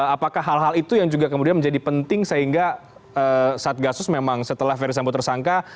apakah hal hal itu yang juga kemudian menjadi penting sehingga saat gasus memang setelah ferry sambo tersangka